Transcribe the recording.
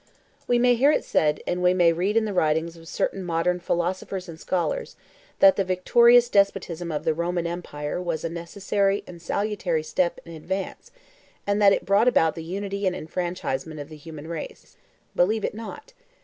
We may hear it said, and we may read in the writings of certain modern philosophers and scholars, that the victorious despotism of the Roman empire was a necessary and salutary step in advance, and that it brought about the unity and enfranchisement of the human race. Believe it not.